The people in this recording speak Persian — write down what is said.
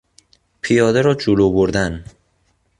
پیاده را جلو بردن